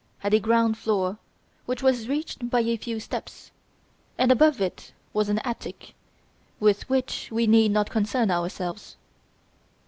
It had a ground floor which was reached by a few steps, and above it was an attic, with which we need not concern ourselves.